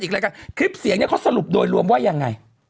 คลิปเสียงะเขาสรุปโดยรวมว่ายังไง